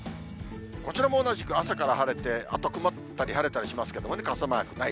こちらも同じく朝から晴れて、あとは曇ったり晴れたりしますけどね、傘マークない。